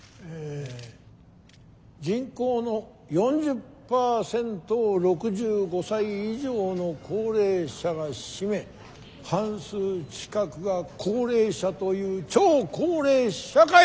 人口の４０％を６５歳以上の高齢者が占め半数近くが高齢者という超高齢社会！